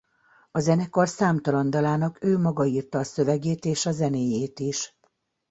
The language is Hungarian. A zenekar számtalan dalának ő maga írta a szövegét és a zenéjét is.